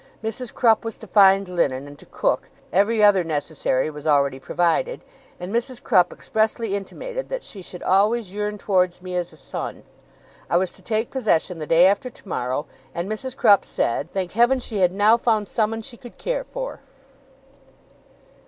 Mrs. Crupp was to find linen, and to cook; every other necessary was already provided; and Mrs. Crupp expressly intimated that she should always yearn towards me as a son. I was to take possession the day after tomorrow, and Mrs. Crupp said, thank Heaven she had now found summun she could care for!